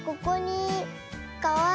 かわいい。